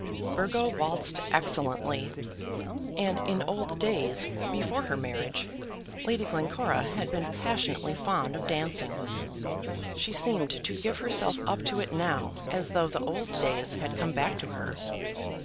Burgo waltzed excellently, and in old days, before her marriage, Lady Glencora had been passionately fond of dancing. She seemed to give herself up to it now as though the old days had come back to her.